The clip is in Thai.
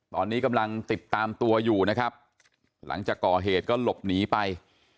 ตอนนี้กำลังติดตามตัวอยู่นะครับหลังจากก่อเหตุก็หลบหนีไป